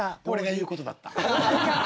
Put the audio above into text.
俺が言うことだった！